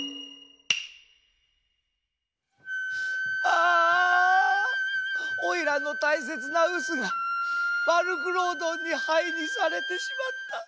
あおいらのたいせつなうすが悪九郎どんにはいにされてしまった。